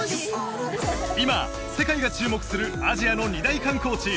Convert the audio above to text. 今世界が注目するアジアの二大観光地